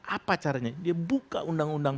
apa caranya dia buka undang undang